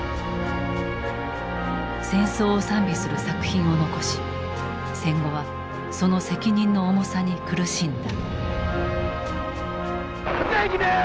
戦争を賛美する作品を残し戦後はその責任の重さに苦しんだ。